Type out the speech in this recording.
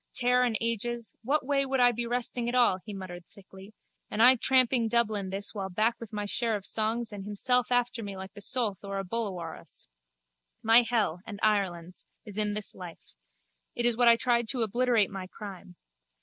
Tare and ages, what way would I be resting at all, he muttered thickly, and I tramping Dublin this while back with my share of songs and himself after me the like of a soulth or a bullawurrus? My hell, and Ireland's, is in this life. It is what I tried to obliterate my crime.